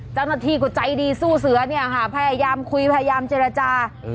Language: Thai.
เจ้าหน้าที่เขาใจดีซู่เสื้อพยายามคุยพยายามเจรจา